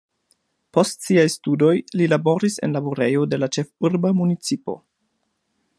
Post siaj studoj li laboris en laborejo de la ĉefurba municipo.